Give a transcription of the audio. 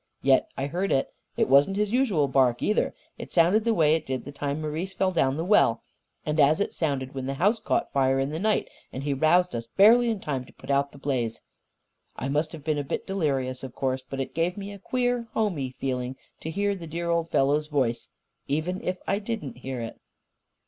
Yet I heard it. It wasn't his usual bark, either. It sounded the way it did the time Marise fell down the well, and as it sounded when the house caught fire in the night and he roused us barely in time to put out the blaze. I must have been a bit delirious, of course. But it gave me a queer homey feeling to hear the dear old fellow's voice even if I didn't hear it."